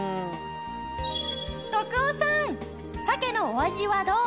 徳男さん鮭のお味はどう？